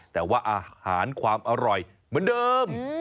แต่ว่าอาหารความอร่อยเหมือนเดิม